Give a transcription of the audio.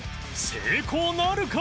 成功なるか？